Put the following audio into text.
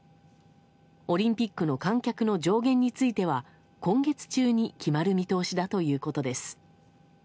オリンピックの観客の上限については今月中に決まる見通しだということです。